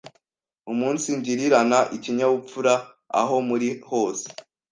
Umunsigirirana ikinyabupfura aho muri hose;